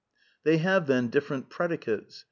They have, then, different predicates.